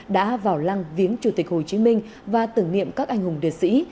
đã vào lăng viếng chủ tịch hồ chí minh và tưởng niệm các anh hùng liệt sĩ